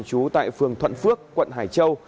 trú tại phường thuận phước quận hải châu